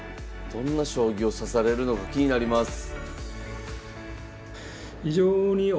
どんな将棋を指されるのか気になります。